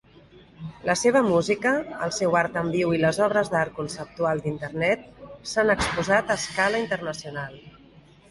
La seva música, el seu art en viu i les obres d'art conceptual d'Internet s'han exposat a escala internacional.